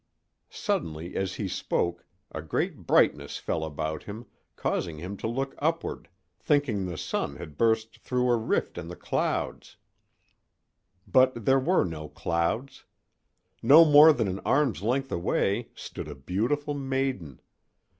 Suddenly, as he spoke, a great brightness fell about him, causing him to look upward, thinking the sun had burst through a rift in the clouds; but there were no clouds. No more than an arm's length away stood a beautiful maiden.